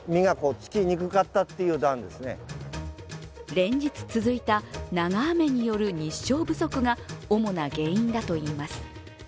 連日続いた長雨による日照不足が主な原因だといいます。